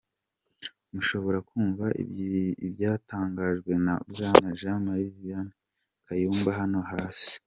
Mushobora kumva ibyatangajwe na Bwana Jean Marie Vianney Kayumba hano hasi: